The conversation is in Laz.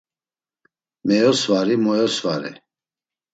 Meyosvari moosvari.